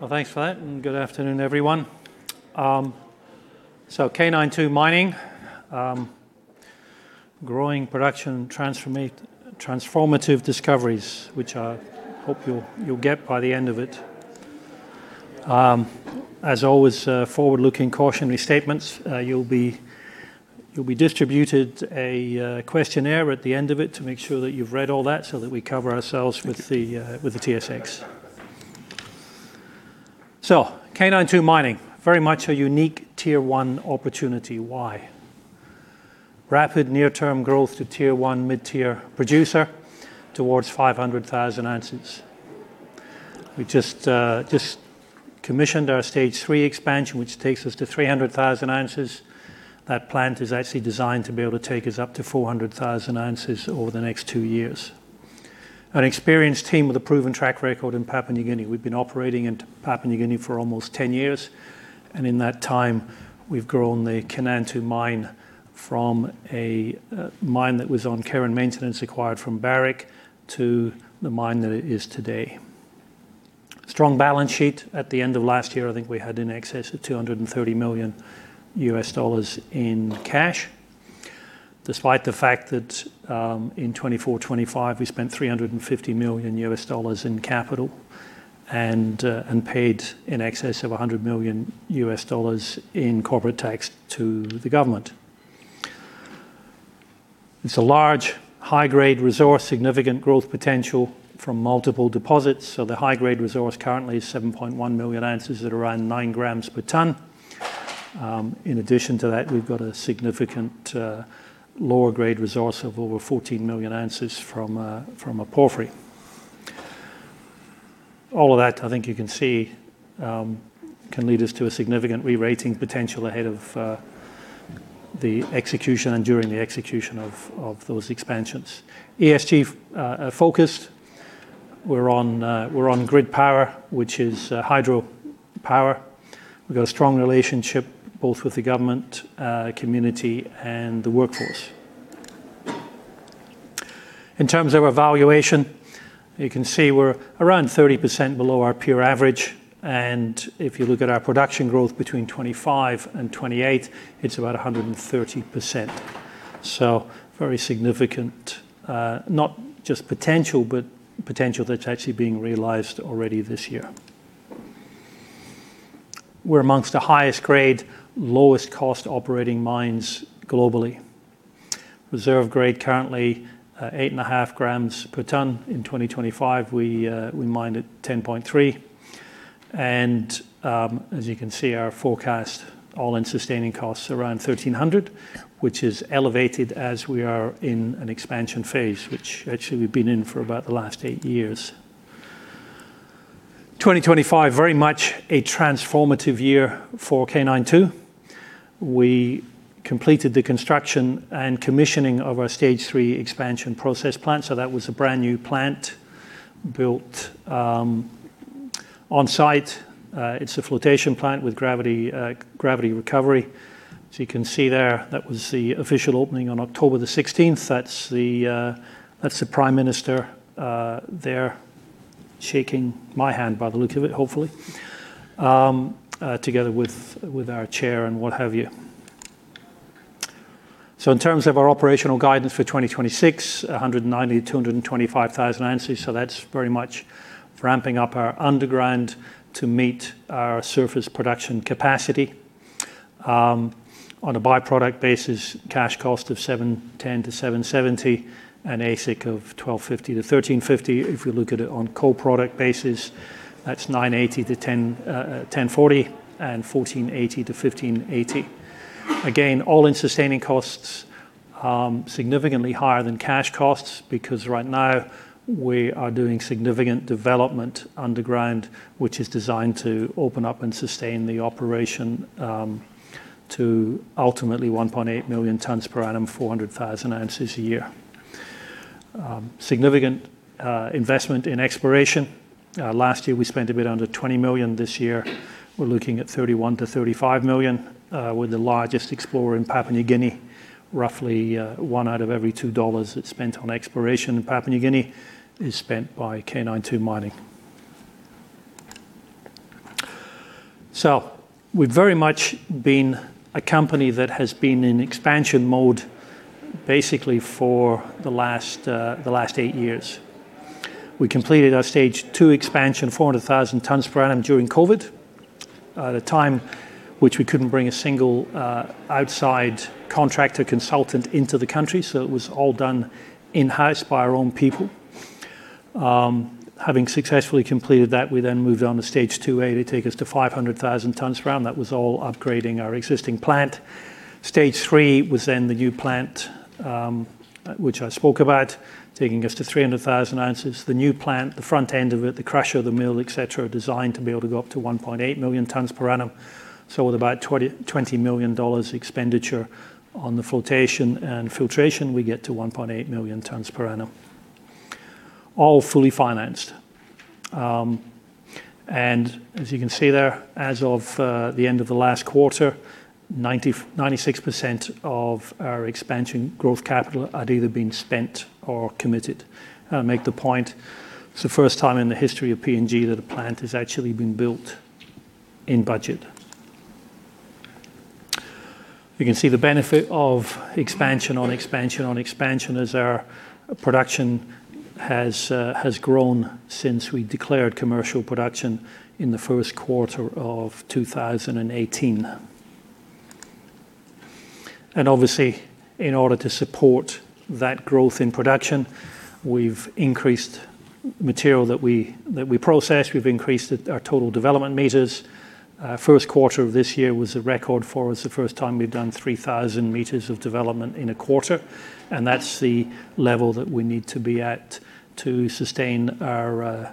Well, thanks for that, and good afternoon, everyone. K92 Mining, growing production, transformative discoveries, which I hope you'll get by the end of it. As always, forward-looking cautionary statements, you'll be distributed a questionnaire at the end of it to make sure that you've read all that so that we cover ourselves with the TSX. K92 Mining, very much a unique Tier 1 opportunity. Why? Rapid near-term growth to Tier 1/mid-tier producer towards 500,000 ounces. We just commissioned our Stage 3 expansion, which takes us to 300,000 ounces. That plant is actually designed to be able to take us up to 400,000 ounces over the next two years. An experienced team with a proven track record in Papua New Guinea. We've been operating in Papua New Guinea for almost 10 years, and in that time, we've grown the Kainantu Mine from a mine that was on care and maintenance acquired from Barrick to the mine that it is today, strong balance sheet. At the end of last year, I think we had in excess of $230 million in cash, despite the fact that in 2024, 2025, we spent $350 million in capital and paid in excess of $100 million in corporate tax to the government. It's a large, high-grade resource, significant growth potential from multiple deposits. The high-grade resource currently is 7.1 million ounces at around nine grams per ton. In addition to that, we've got a significant lower grade resource of over 14 million ounces from a porphyry. All of that, I think you can see, can lead us to a significant rerating potential ahead of the execution and during the execution of those expansions. ESG-focused. We're on grid power, which is hydropower. We've got a strong relationship both with the government, community, and the workforce. In terms of our valuation, you can see we're around 30% below our peer average, and if you look at our production growth between 2025 and 2028, it's about 130%. Very significant, not just potential, but potential that's actually being realized already this year. We're amongst the highest grade, lowest cost operating mines globally. Reserve grade currently, 8.5 grams per ton. In 2025, we mined at 10.3. As you can see, our forecast all-in sustaining cost is around $1,300, which is elevated as we are in an expansion phase, which actually we've been in for about the last eight years. 2025, very much a transformative year for K92. We completed the construction and commissioning of our Stage 3 expansion process plant. That was a brand-new plant built on-site. It's a flotation plant with gravity recovery. You can see there, that was the official opening on October the 16th. That's the Prime Minister there shaking my hand, by the look of it, hopefully, together with our Chair and what have you. In terms of our operational guidance for 2026, 190,000-225,000 ounces. That's very much ramping up our underground to meet our surface production capacity. On a by-product basis, cash cost of $710-$770, and AISC of $1,250-$1,350. If we look at it on co-product basis, that's $980-$1,040 and $1,480-$1,580. Again, all-in sustaining costs, significantly higher than cash costs because right now we are doing significant development underground, which is designed to open up and sustain the operation to ultimately 1.8 million tons per annum, 400,000 ounces a year. Significant investment in exploration. Last year, we spent a bit under $20 million. This year, we're looking at $31 million-$35 million. We're the largest explorer in Papua New Guinea. Roughly one out of every two dollars that's spent on exploration in Papua New Guinea is spent by K92 Mining. We've very much been a company that has been in expansion mode basically for the last eight years. We completed our Stage 2 expansion, 400,000 tons per annum, during COVID, at a time which we couldn't bring a single outside contractor consultant into the country. It was all done in-house by our own people. Having successfully completed that, we then moved on to Stage 2A to take us to 500,000 tons per annum. That was all upgrading our existing plant. Stage 3 was then the new plant, which I spoke about, taking us to 300,000 ounces. The new plant, the front end of it, the crusher, the mill, et cetera, are designed to be able to go up to 1.8 million tons per annum. With about $20 million expenditure on the flotation and filtration, we get to 1.8 million tons per annum, all fully financed. As you can see there, as of the end of the last quarter, 96% of our expansion growth capital had either been spent or committed. I make the point, it's the first time in the history of PNG that a plant has actually been built in budget. You can see the benefit of expansion on expansion on expansion as our production has grown since we declared commercial production in the first quarter of 2018. Obviously, in order to support that growth in production, we've increased material that we process. We've increased our total development meters. First quarter of this year was a record for us, the first time we've done 3,000 meters of development in a quarter, and that's the level that we need to be at to sustain our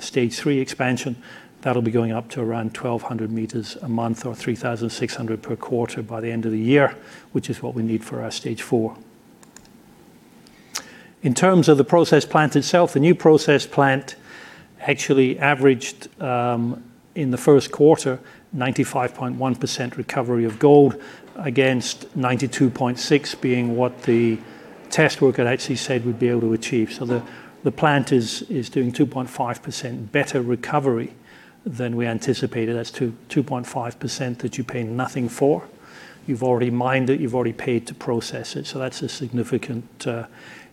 Stage 3 expansion. That'll be going up to around 1,200 meters a month or 3,600 per quarter by the end of the year, which is what we need for our Stage 4. In terms of the process plant itself, the new process plant actually averaged, in the first quarter, 95.1% recovery of gold against 92.6% being what the test work had actually said we'd be able to achieve. The plant is doing 2.5% better recovery than we anticipated. That's 2.5% that you pay nothing for. You've already mined it. You've already paid to process it. That's a significant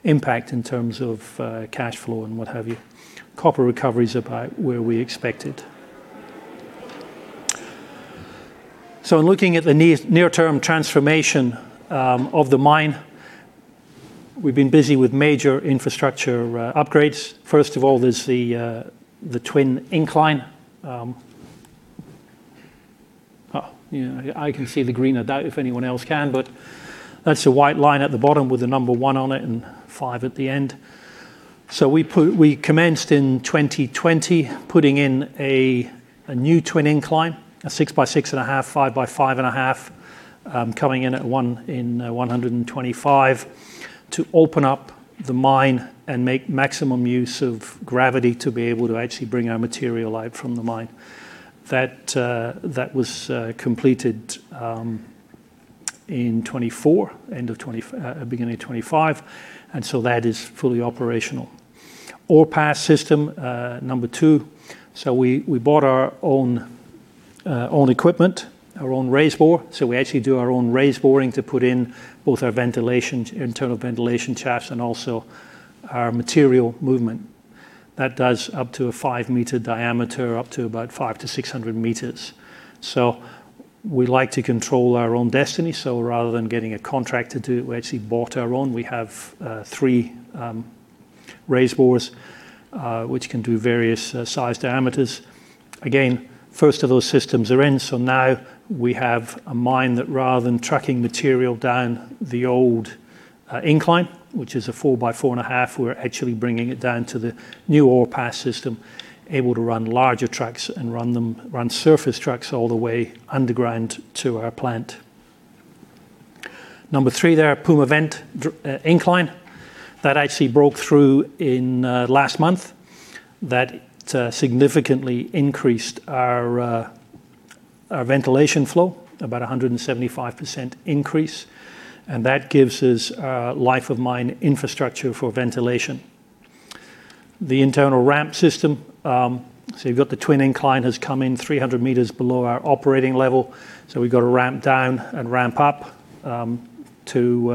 impact in terms of cash flow and what have you. Copper recovery's about where we expected. In looking at the near-term transformation of the mine, we've been busy with major infrastructure upgrades. First of all, there's the twin incline. I can see the green. I doubt if anyone else can, but that's the white line at the bottom with the number one on it and five at the end. So we commenced in 2020, putting in a new twin incline, a 6 by 6.5 by 5.5, coming in at 125 to open up the mine and make maximum use of gravity to be able to actually bring our material out from the mine. That was completed in '24, beginning of '25, and so that is fully operational. Ore pass system, number two. So we bought our own equipment, our own raise bore. So we actually do our own raise boring to put in both our internal ventilation shafts and also our material movement. That does up to a five-meter diameter, up to about 500 to 600 meters. We like to control our own destiny, so rather than getting a contractor to do it, we actually bought our own. We have three raise bores, which can do various size diameters. Again, first of those systems are in, so now we have a mine that rather than tracking material down the old incline, which is a 4 by 4.5, we're actually bringing it down to the new ore pass system, able to run larger trucks and run surface trucks all the way underground to our plant. Number three there, Puma Vent Incline. That actually broke through last month. That significantly increased our ventilation flow, about 175% increase, and that gives us life of mine infrastructure for ventilation. The internal ramp system. You've got the twin incline has come in 300 meters below our operating level. We've got to ramp down and ramp up to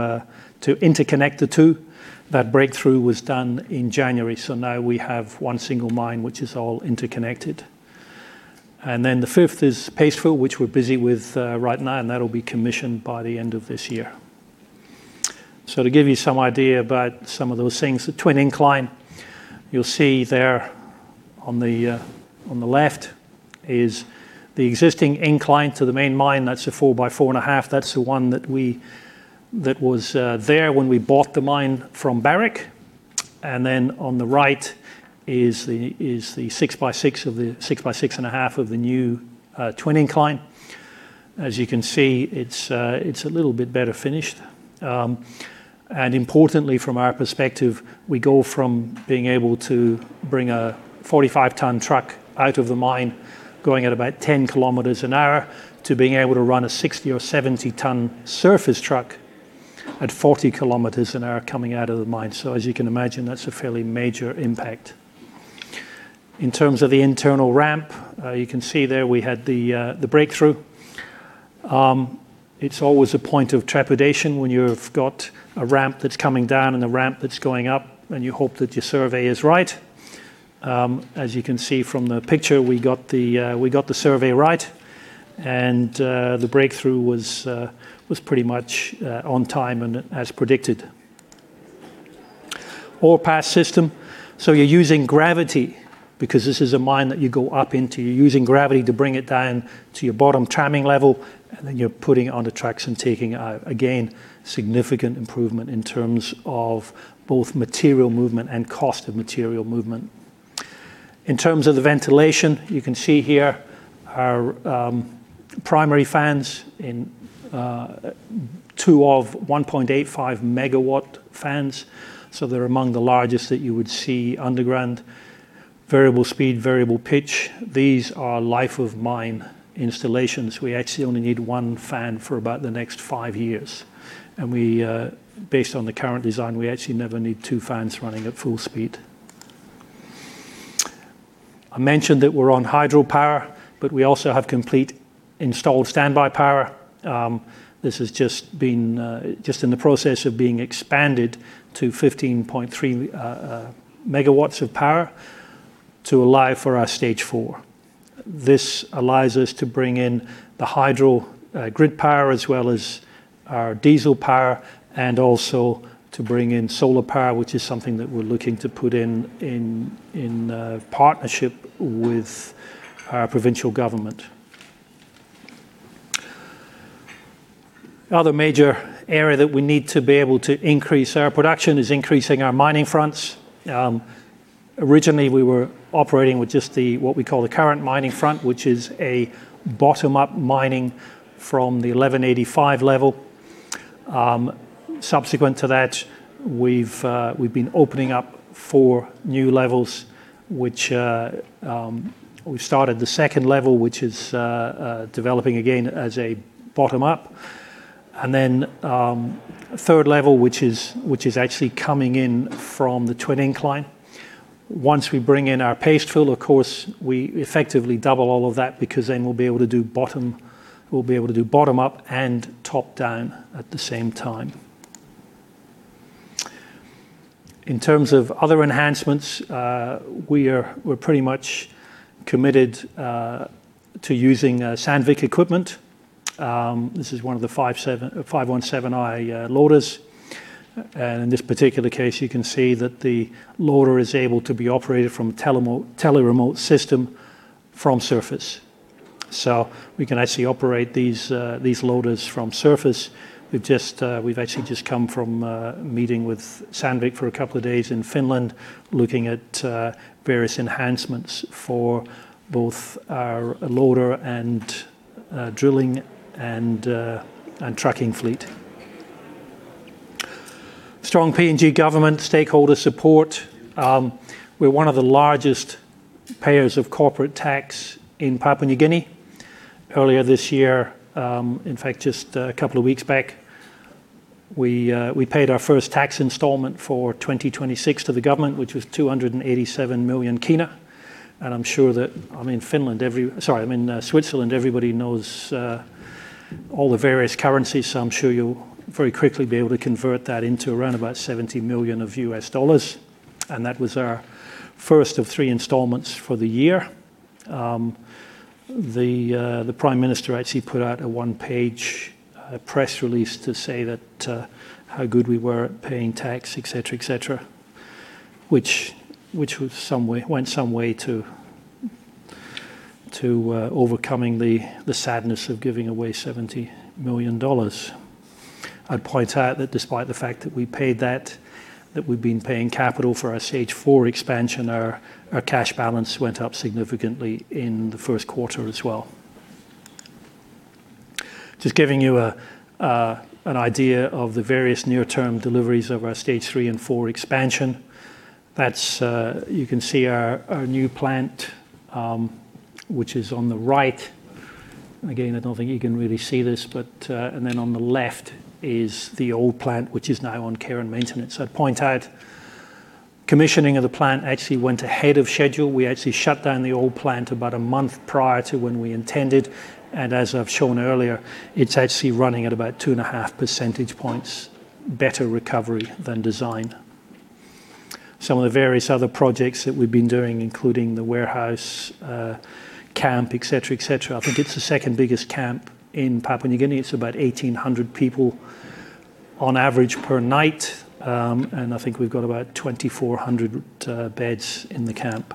interconnect the two. That breakthrough was done in January, so now we have one single mine, which is all interconnected. The fifth is Paste Fill, which we're busy with right now, and that'll be commissioned by the end of this year. To give you some idea about some of those things, the twin incline, you'll see there on the left is the existing incline to the main mine. That's a 4 by 4.5. That's the one that was there when we bought the mine from Barrick. On the right is the 6 by 6.5 of the new twin incline. As you can see, it's a little bit better finished. Importantly, from our perspective, we go from being able to bring a 45-ton truck out of the mine, going at about 10 km an hour, to being able to run a 60 or 70-ton surface truck at 40 km an hour coming out of the mine. As you can imagine, that's a fairly major impact. In terms of the internal ramp, you can see there we had the breakthrough. It's always a point of trepidation when you've got a ramp that's coming down and a ramp that's going up, and you hope that your survey is right. As you can see from the picture, we got the survey right and the breakthrough was pretty much on time and as predicted. Ore pass system. You're using gravity because this is a mine that you go up into. You're using gravity to bring it down to your bottom tramming level, and then you're putting it onto tracks and taking it out. Again, significant improvement in terms of both material movement and cost of material movement. In terms of the ventilation, you can see here our primary fans, two 1.85 MW fans. They're among the largest that you would see underground. Variable speed, variable pitch. These are life-of-mine installations. We actually only need one fan for about the next five years. Based on the current design, we actually never need two fans running at full speed. I mentioned that we're on hydropower, but we also have complete installed standby power. This has just been in the process of being expanded to 15.3 MW of power to allow for our Stage 4. This allows us to bring in the hydro grid power as well as our diesel power, and also to bring in solar power, which is something that we're looking to put in partnership with our provincial government. The other major area that we need to be able to increase our production is increasing our mining fronts. Originally, we were operating with just what we call the current mining front, which is a bottom-up mining from the 1,185 level. Subsequent to that, we've been opening up four new levels. We started the second level, which is developing again as a bottom-up, and then a third level, which is actually coming in from the twin incline. Once we bring in our paste fill, of course, we effectively double all of that because then we'll be able to do bottom-up and top-down at the same time. In terms of other enhancements, we're pretty much committed to using Sandvik equipment. This is one of the LH517i loaders. In this particular case, you can see that the loader is able to be operated from a tele-remote system from surface. We can actually operate these loaders from surface. We've actually just come from a meeting with Sandvik for a couple of days in Finland, looking at various enhancements for both our loader and drilling and trucking fleet. Strong PNG government stakeholder support. We're one of the largest payers of corporate tax in Papua New Guinea. Earlier this year, in fact, just a couple of weeks back, we paid our first tax installment for 2026 to the government, which was PGK 287 million. And I'm sure that, I mean, Switzerland, everybody knows all the various currencies, so I'm sure you'll very quickly be able to convert that into around about 70 million of US dollars. And that was our first of three installments for the year. The Prime Minister actually put out a one-page press release to say how good we were at paying tax, et cetera, which went some way to overcoming the sadness of giving away $70 million. I'd point out that despite the fact that we paid that we've been paying capital for our stage four expansion, our cash balance went up significantly in the first quarter as well. Just giving you an idea of the various near-term deliveries of our stage three and four expansion. You can see our new plant, which is on the right. And again, I don't think you can really see this. On the left is the old plant, which is now on care and maintenance. I'd point out, commissioning of the plant actually went ahead of schedule. We actually shut down the old plant about a month prior to when we intended. As I've shown earlier, it's actually running at about 2.5 percentage points better recovery than designed. Some of the various other projects that we've been doing, including the warehouse, camp, et cetera, I think it's the second biggest camp in Papua New Guinea. It's about 1,800 people on average per night. I think we've got about 2,400 beds in the camp.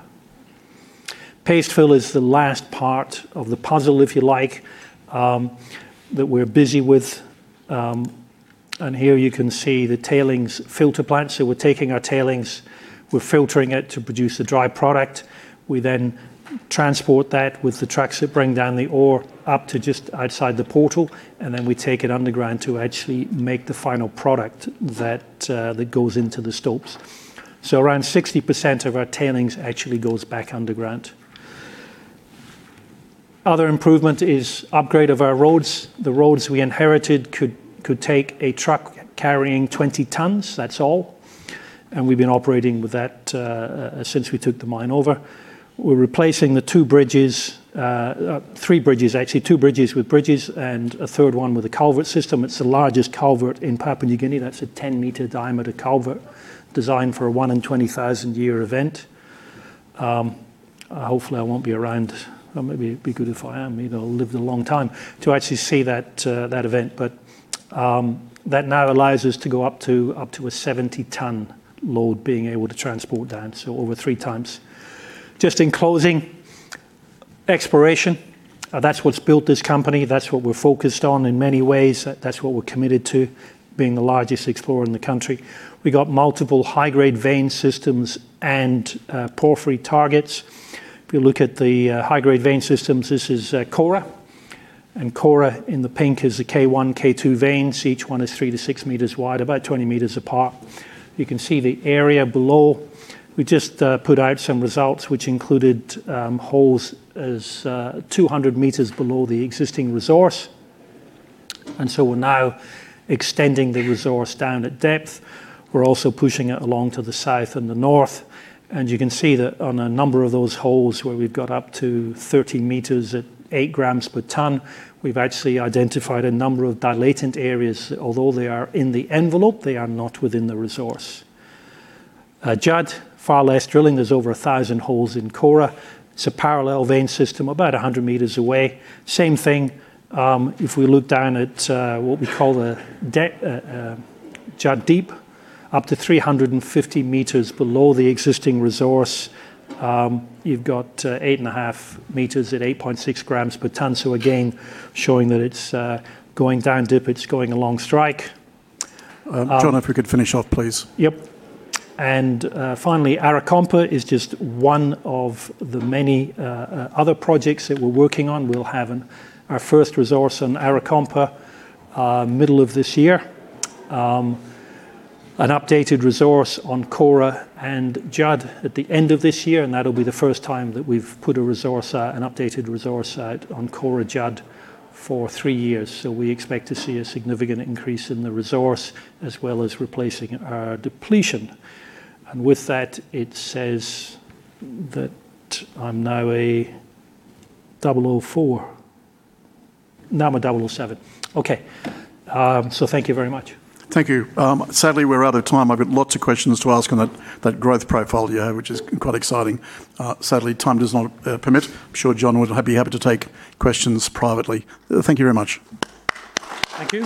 Paste fill is the last part of the puzzle, if you like, that we're busy with. Here you can see the tailings filter plant. We're taking our tailings, we're filtering it to produce a dry product. We then transport that with the trucks that bring down the ore up to just outside the portal, and then we take it underground to actually make the final product that goes into the stopes. Around 60% of our tailings actually goes back underground. Other improvement is upgrade of our roads. The roads we inherited could take a truck carrying 20 tons. That's all. We've been operating with that since we took the mine over. We're replacing the two bridges, three bridges actually, two bridges with bridges, and a third one with a culvert system. It's the largest culvert in Papua New Guinea. That's a 10-meter diameter culvert designed for a one in 20,000-year event. Hopefully, I won't be around. Maybe it'd be good if I am. Maybe I'll live a long time to actually see that event. That now allows us to go up to a 70 ton load being able to transport down, over three times. Just in closing, exploration. That's what's built this company. That's what we're focused on in many ways. That's what we're committed to, being the largest explorer in the country. We got multiple high-grade vein systems and porphyry targets. If you look at the high-grade vein systems, this is Kora. Kora in the pink is the K1, K2 veins. Each one is three to six meters wide, about 20 meters apart. You can see the area below. We just put out some results which included holes at 200 meters below the existing resource. We're now extending the resource down at depth. We're also pushing it along to the south and the north. You can see that on a number of those holes where we've got up to 30 m at 8 grams per ton, we've actually identified a number of dilatant areas. Although they are in the envelope, they are not within the resource. Judd, far less drilling. There's over 1,000 holes in Kora. It's a parallel vein system about 100 m away. Same thing, if we look down at what we call the Judd Deep, up to 350 m below the existing resource, you've got 8.5 m at 8.6 grams per ton. Again, showing that it's going down dip, it's going along strike. John, if we could finish off, please. Yep. Finally, Arakompa is just one of the many other projects that we're working on. We'll have our first resource on Arakompa middle of this year. An updated resource on Kora and Judd at the end of this year, and that'll be the first time that we've put an updated resource out on Kora, Judd for three years. We expect to see a significant increase in the resource, as well as replacing our depletion. With that, it says that I'm now a 004. No, I'm a 007. Okay. Thank you very much. Thank you. Sadly, we're out of time. I've got lots of questions to ask on that growth profile, which is quite exciting. Sadly, time does not permit. I'm sure John would be happy to take questions privately. Thank you very much. Thank you.